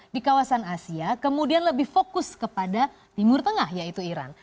di kawasan asia kemudian lebih fokus kepada timur tengah yaitu iran